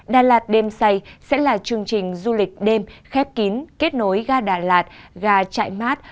đà lạt đêm say sẽ là chương trình du lịch đêm khép kín kết nối gà đà lạt gà chạy mát